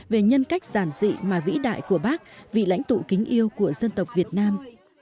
về nhân cách giản dị mà vĩ đại của bác vị lãnh tụ kính yêu của dân tộc việt nam